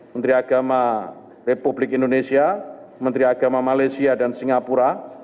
menteri agama republik indonesia menteri agama malaysia dan singapura